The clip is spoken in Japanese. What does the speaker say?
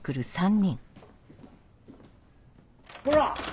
ほら！